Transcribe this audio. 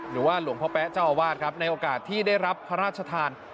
หรือว่าหลวงพ่อแป๊ะเจ้าอาวาสครับในโอกาสที่ได้รับพระราชทาน